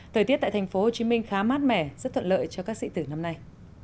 thời tiết tại tp hcm khá mát mẻ rất thuận lợi cho các sĩ tử năm nay